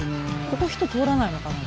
ここ人通らないのかな？